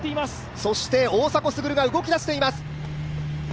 そして大迫傑が動き出しています。